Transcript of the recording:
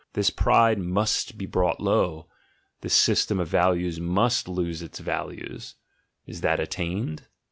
This pride must be brought low. this system of values must lose its values: is that attained?